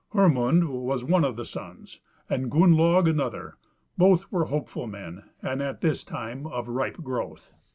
Hermund was one of their sons, and Gunnlaug another; both were hopeful men, and at this time of ripe growth.